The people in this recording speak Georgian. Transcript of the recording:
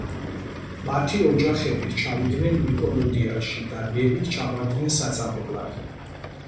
მათი ოჯახებით ჩავიდნენ ნიკომიდიაში და ნებით ჩაბარდნენ საწამებლად.